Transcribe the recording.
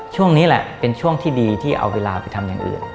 ช่วงนี้แหละเป็นช่วงที่ดีที่เอาเวลาไปทำอย่างอื่น